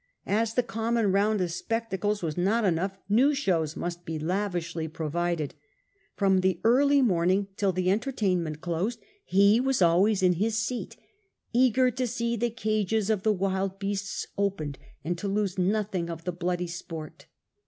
As the common round of spectacles was not enough, new shows must be lavishly provided. From the early morning till the entertainment 90 The Earlier Empire. a.d. 41 54* closed he was always in his seat, eager to see the cages ol the wild beasts opened and to lose nothing of the bloody sport.